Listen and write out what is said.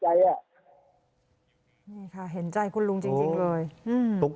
นี่ค่ะเห็นใจคุณหลุงจริงเลยอืมอืม